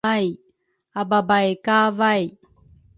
ababay kavay